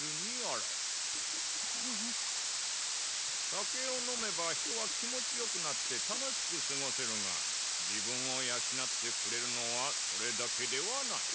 酒を飲めば人は気持ちよくなって楽しく過ごせるが自分を養ってくれるのはそれだけではない。